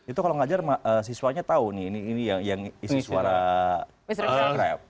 itu kalau ngajar siswanya tahu nih yang isi suara mr krab